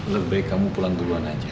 lebih baik kamu pulang dulu ya